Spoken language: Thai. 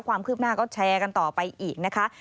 ความคืบหน้าก็แชร์กันต่อไปอีกนะคะ